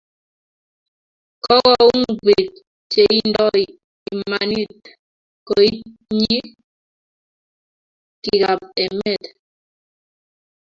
Kogouny biik cheindoi imanit koityi bikap emet